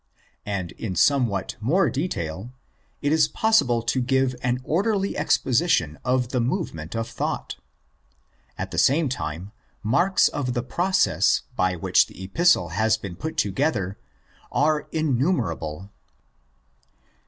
And in somewhat more detail it 1s possible to give an orderly exposition of the movement of thought. At the same time, marks of the process by which the Epistle has been put together are innumerable.